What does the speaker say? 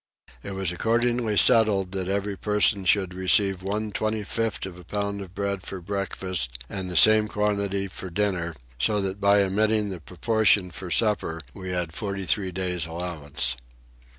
It was accordingly settled that every person should receive one 25th of a pound of bread for breakfast, and the same quantity for dinner, so that by omitting the proportion for supper, we had 43 days allowance.